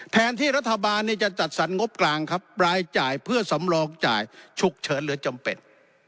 แทนที่รัฐบาลจะจัดสรรงบกลางครับรายจ่ายเพื่อสำรองจ่ายฉุกเฉินหรือจำเป็น